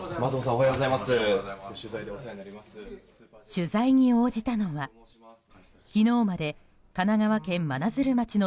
取材に応じたのは昨日まで神奈川県真鶴町の